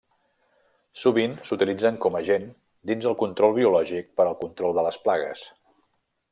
Sovint s'utilitzen com agent dins el control biològic per al control de les plagues.